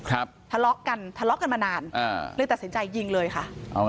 ทะเลาะกันทะเลาะกันมานานอ่าเลยตัดสินใจยิงเลยค่ะ